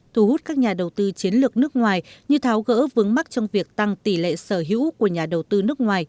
thu hút các nhà đầu tư chiến lược nước ngoài như tháo gỡ vướng mắt trong việc tăng tỷ lệ sở hữu của nhà đầu tư nước ngoài